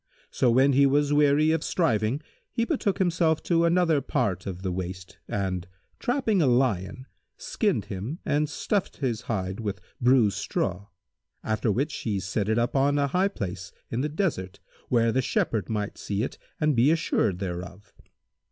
So, when he was weary of striving, he betook himself to another part of the waste and trapping a lion, skinned him and stuffed his hide with bruised straw[FN#160]; after which he set it up on a high place in the desert, where the Shepherd might see it and be assured thereof.